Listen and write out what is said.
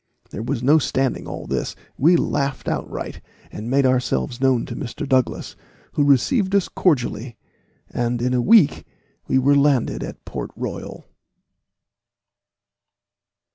There was no standing all this; we laughed outright, and made ourselves known to Mr. Douglas, who received us cordially, and in a week we were landed at Port Royal.